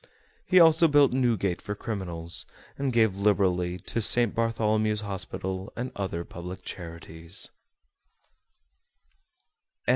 He also built Newgate for criminals, and gave liberally to St. Bartholomew's Hospital and other public charities.